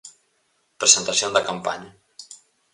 Presentación da campaña.